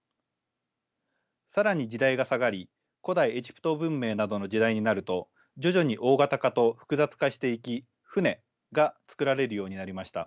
更に時代が下がり古代エジプト文明などの時代になると徐々に大型化と複雑化していき船が造られるようになりました。